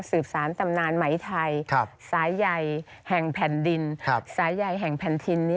สืบสารตำนานไหมไทยสายใหญ่แห่งแผ่นดินสายใหญ่แห่งแผ่นดินนี้